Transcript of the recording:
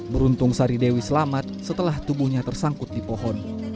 beruntung sari dewi selamat setelah tubuhnya tersangkut di pohon